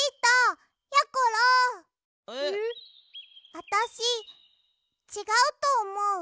あたしちがうとおもう。